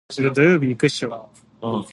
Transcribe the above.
您已超速